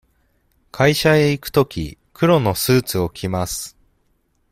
会社へ行くとき、黒のスーツを着ます。